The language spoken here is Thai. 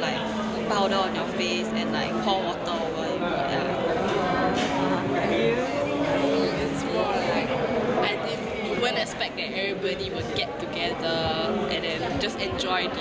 และสงครามนี้มากัน